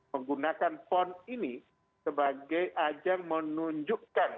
menggunakan pon ini sebagai ajang menunjukkan